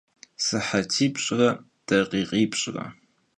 Sıhetipş're dakhikhipş're.